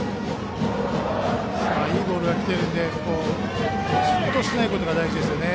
いいボールが来ているので失投しないことが大事ですね。